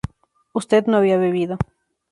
usted no había bebido